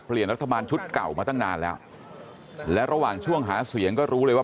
รัฐบาลชุดเก่ามาตั้งนานแล้วและระหว่างช่วงหาเสียงก็รู้เลยว่า